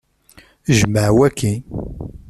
Jmeɛ waki!